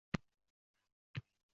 ko‘ngliga ruhiy xotirjamlik tushadi.